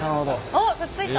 おっくっついた。